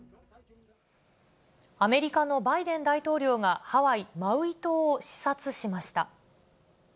アメリカのバイデン大統領がハワイ・マウイ島を視察しました。